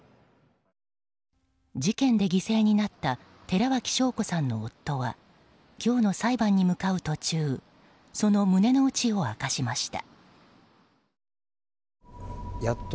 事件で犠牲になった寺脇晶子さんの夫は今日の裁判に向かう途中その胸の内を明かしました。